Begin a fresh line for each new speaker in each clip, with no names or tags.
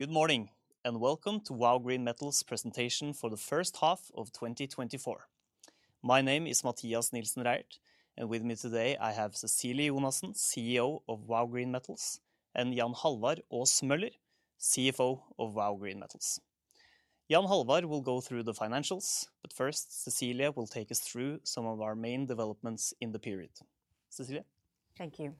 Good morning, and welcome to Vow Green Metals presentation for the first half of 2024. My name is Mathias Nilsen Reierth, and with me today, I have Cecilie Jonassen, CEO of Vow Green Metals, and Jan Halvard Aas Møller, CFO of Vow Green Metals. Jan Halvard will go through the financials, but first, Cecilie will take us through some of our main developments in the period. Cecilie?
Thank you.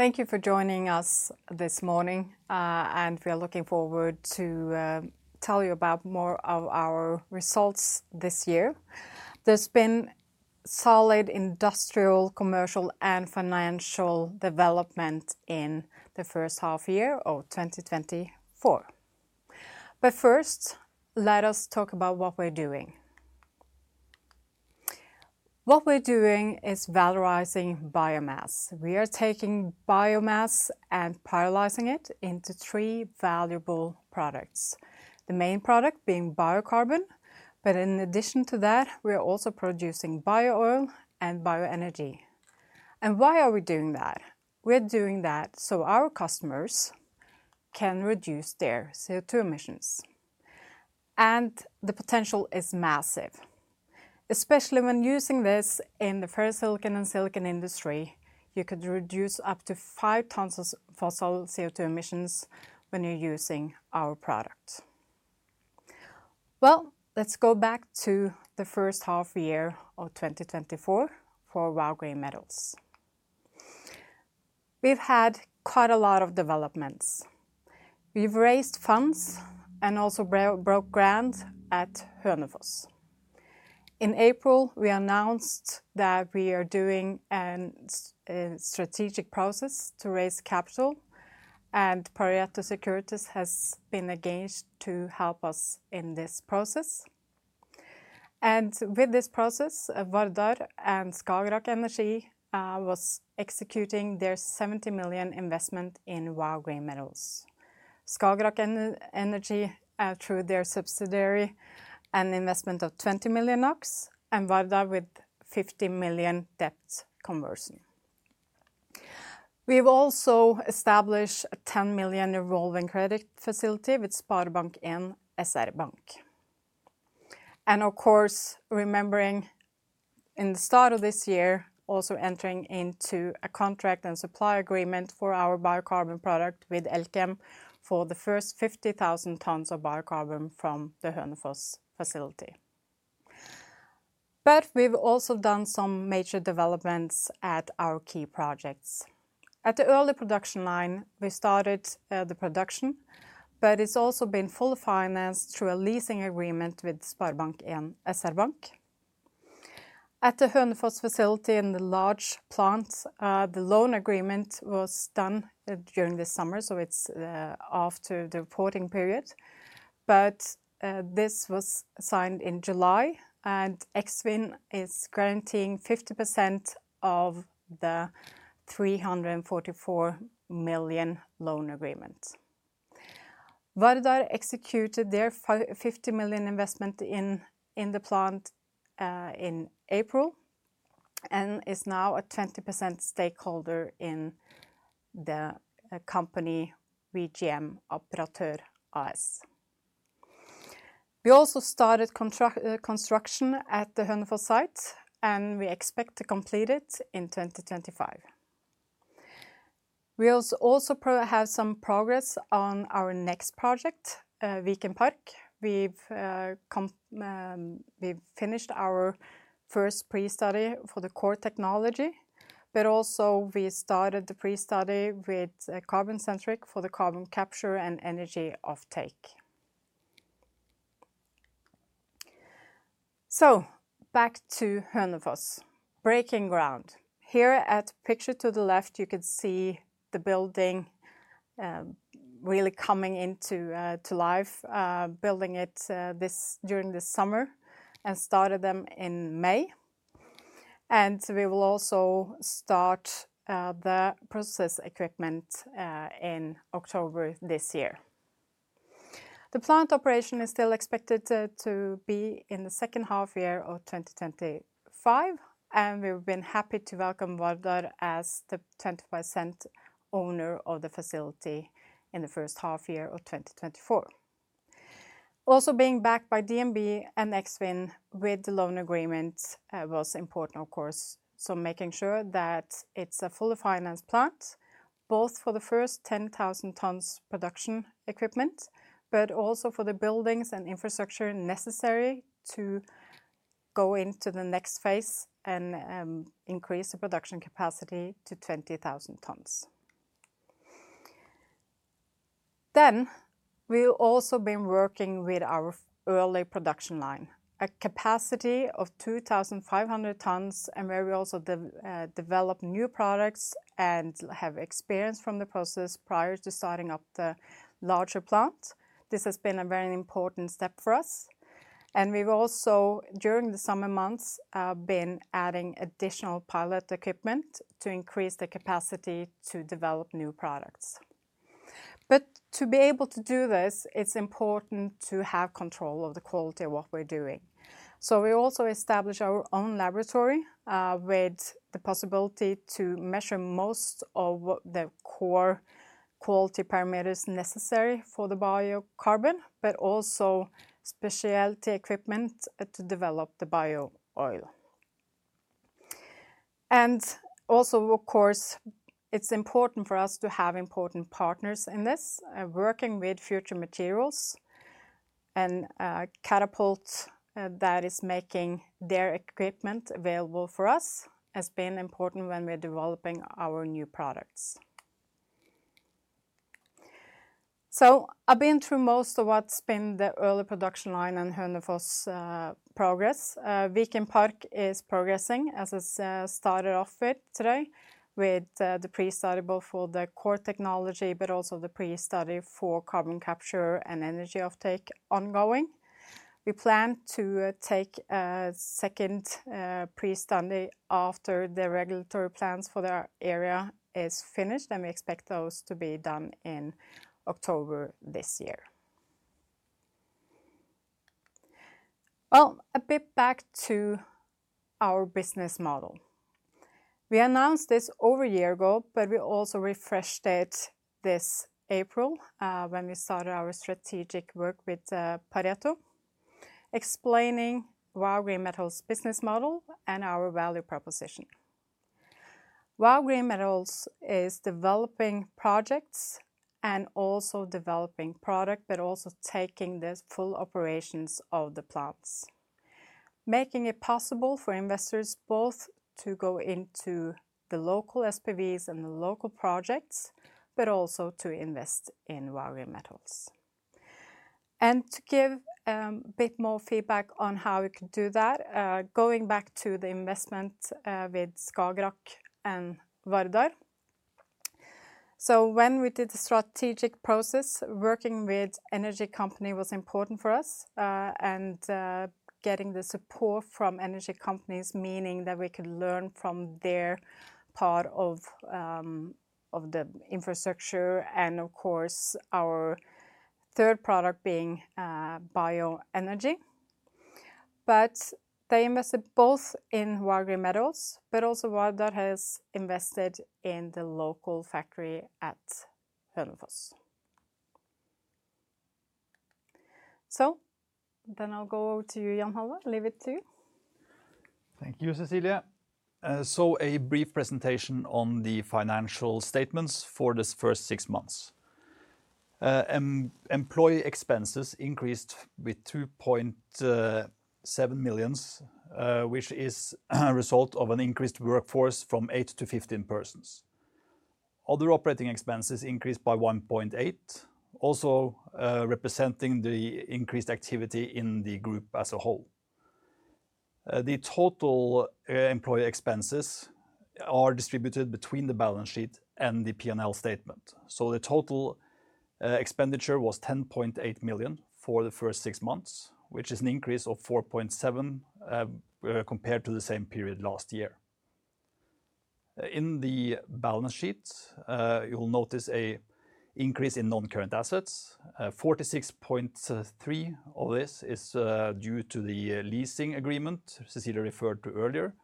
Thank you for joining us this morning, and we are looking forward to tell you about more of our results this year. There's been solid industrial, commercial, and financial development in the first half year of 2024, but first, let us talk about what we're doing. What we're doing is valorizing biomass. We are taking biomass and pyrolyzing it into three valuable products, the main product being biocarbon, but in addition to that, we are also producing bio-oil and bioenergy. And why are we doing that? We're doing that so our customers can reduce their CO2 emissions, and the potential is massive. Especially when using this in the ferrosilicon and silicon industry, you could reduce up to five tons of fossil CO2 emissions when you're using our product, well, let's go back to the first half year of 2024 for Vow Green Metals. We've had quite a lot of developments. We've raised funds and also broke ground at Hønefoss. In April, we announced that we are doing a strategic process to raise capital, and Pareto Securities has been engaged to help us in this process. And with this process, Vardar and Skagerak Energi was executing their 70 million investment in Vow Green Metals. Skagerak Energi through their subsidiary, an investment of 20 million NOK and Vardar with 50 million debt conversion. We've also established a 10 million revolving credit facility with SpareBank 1 SR-Bank. And of course, remembering in the start of this year, also entering into a contract and supply agreement for our biocarbon product with Elkem for the first 50,000 tons of biocarbon from the Hønefoss facility. But we've also done some major developments at our key projects. At the early production line, we started the production, but it's also been fully financed through a leasing agreement with SpareBank 1 SR-Bank. At the Hønefoss facility in the large plant, the loan agreement was done during this summer, so it's after the reporting period, but this was signed in July, and Eksfin is guaranteeing 50% of the 344 million loan agreement. Vardar executed their 50 million investment in the plant in April, and is now a 20% stakeholder in the company, VGM Operatør AS. We also started construction at the Hønefoss site, and we expect to complete it in 2025. We also have some progress on our next project, Viken Park. We've finished our first pre-study for the core technology, but also we started the pre-study with Carbon Centric for the carbon capture and energy offtake. Back to Hønefoss. Breaking ground. Here at picture to the left, you can see the building really coming into life, building it this summer, and started them in May. We will also start the process equipment in October this year. The plant operation is still expected to be in the second half year of 2025, and we've been happy to welcome Vardar as the 25% owner of the facility in the first half year of 2024. Also, being backed by DNB and Eksfin with the loan agreement, was important, of course, so making sure that it's a fully financed plant, both for the first 10,000 tons production equipment, but also for the buildings and infrastructure necessary to go into the next phase and, increase the production capacity to 20,000 tons. Then, we've also been working with our early production line, a capacity of 2,500 tons, and where we also develop new products and have experience from the process prior to starting up the larger plant. This has been a very important step for us, and we've also, during the summer months, been adding additional pilot equipment to increase the capacity to develop new products. But to be able to do this, it's important to have control of the quality of what we're doing. So we also establish our own laboratory, with the possibility to measure most of the quality parameters necessary for the biocarbon, but also specialty equipment, to develop the bio-oil. And also, of course, it's important for us to have important partners in this. Working with Future Materials Catapult, that is making their equipment available for us, has been important when we're developing our new products. So I've been through most of what's been the early production line and Hønefoss progress. Viken Park is progressing as I started off with today, with the pre-study both for the core technology, but also the pre-study for carbon capture and energy offtake ongoing. We plan to take a second pre-study after the regulatory plans for the area is finished, and we expect those to be done in October this year. A bit back to our business model. We announced this over a year ago, but we also refreshed it this April, when we started our strategic work with Pareto, explaining Vow Green Metals' business model and our value proposition. Vow Green Metals is developing projects and also developing product, but also taking the full operations of the plants, making it possible for investors both to go into the local SPVs and the local projects, but also to invest in Vow Green Metals. To give a bit more feedback on how we could do that, going back to the investment with Skagerak and Vardar. So when we did the strategic process, working with energy company was important for us, and getting the support from energy companies, meaning that we could learn from their part of the infrastructure and of course, our third product being bioenergy. But they invested both in Vow Green Metals, but also Vardar has invested in the local factory at Hønefoss. So then I'll go to Jan Halvard. Leave it to you.
Thank you, Cecilie. So a brief presentation on the financial statements for this first six months. Employee expenses increased with 2.7 million, which is a result of an increased workforce from eight to 15 persons. Other operating expenses increased by 1.8 million, also representing the increased activity in the group as a whole. The total employee expenses are distributed between the balance sheet and the P&L statement. So the total expenditure was 10.8 million for the first six months, which is an increase of 4.7 million compared to the same period last year. In the balance sheet, you will notice an increase in non-current assets. 46.3 million of this is due to the leasing agreement Cecilie referred to earlier.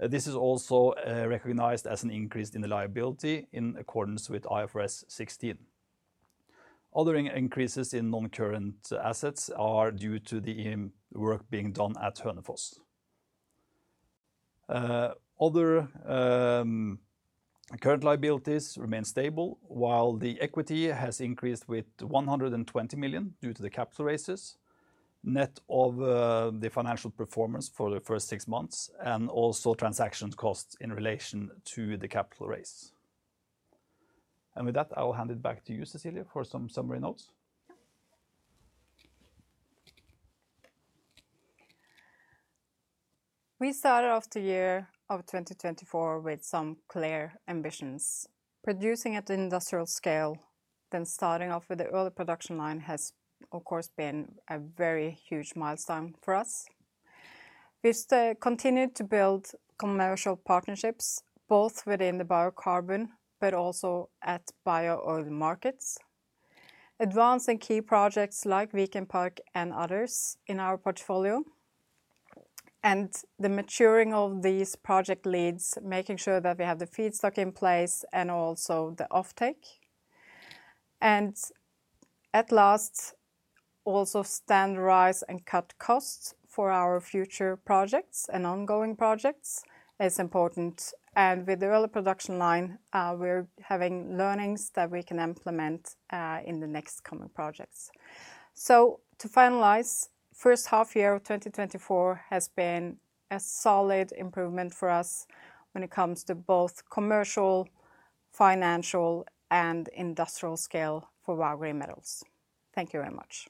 This is also recognized as an increase in the liability in accordance with IFRS 16. Other increases in non-current assets are due to the work being done at Hønefoss. Other current liabilities remain stable, while the equity has increased with 120 million, due to the capital raises, net of, the financial performance for the first six months, and also transaction costs in relation to the capital raise. And with that, I will hand it back to you, Cecilie, for some summary notes.
Yeah. We started off the year of 2024 with some clear ambitions. Producing at the industrial scale, then starting off with the early production line, has, of course, been a very huge milestone for us. We've continued to build commercial partnerships, both within the biocarbon but also at bio-oil markets, advancing key projects like Viken Park and others in our portfolio, and the maturing of these project leads, making sure that we have the feedstock in place and also the offtake. And at last, also standardize and cut costs for our future projects and ongoing projects is important. And with the early production line, we're having learnings that we can implement in the next coming projects. So to finalize, first half year of 2024 has been a solid improvement for us when it comes to both commercial, financial, and industrial scale for Vow Green Metals. Thank you very much.